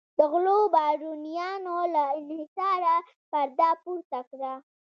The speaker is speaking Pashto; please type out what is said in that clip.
د غلو بارونیانو له انحصاره پرده پورته کړه.